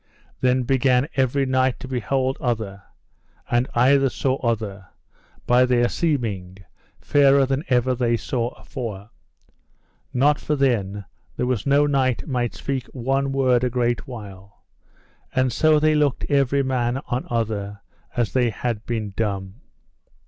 Then began every knight to behold other, and either saw other, by their seeming, fairer than ever they saw afore. Not for then there was no knight might speak one word a great while, and so they looked every man on other as they had been dumb.